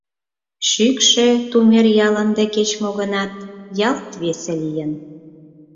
Шӱкшӧ Тумер ял ынде кеч-мо гынат ялт весе лийын.